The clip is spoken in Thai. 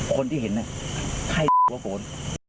คนที่เห็นใครว่าโบ๊ท